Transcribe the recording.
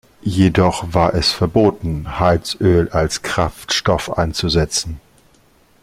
Jedoch war es verboten, Heizöl als Kraftstoff einzusetzen.